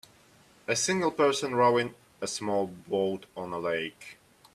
A single person rowing a small boat on a lake.